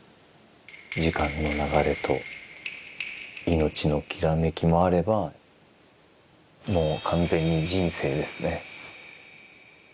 時間の流れと命のきらめきもあればもう完全に人生ですね。